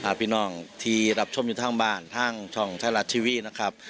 ช่องท่านรัฐทีวีนะครับ